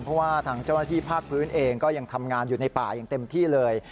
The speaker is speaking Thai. เพราะว่าทางเจ้าหน้าที่ภาคพื้นเองก็ยังทำงานอยู่ในป่าอย่างเต็มที่เลย